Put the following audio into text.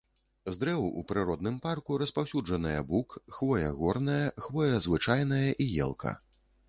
З дрэў у прыродным парку распаўсюджаныя бук, хвоя горная, хвоя звычайная і елка.